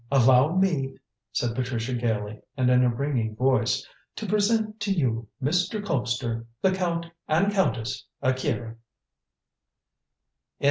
"Allow me," said Patricia gaily, and in a ringing voice, "to present to you, Mr. Colpster, the Count and Countess Akira."